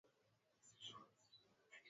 kwa hivyo haionekani kwamba ataweza